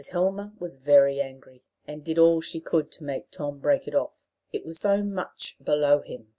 Helmer was very angry, and did all she could to make Tom break it off it was so much below him!